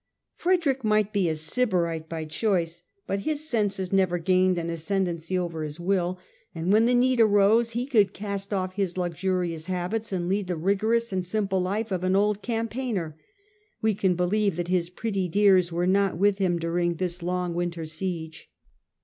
Frederick might be a sybarite by choice, but his senses never gained an ascendancy over his will, and when the need arose he could cast off his luxurious habits and lead the rigorous and simple life of an old campaigner. We can believe that his " pretty dears " were not with him during this long winter siege.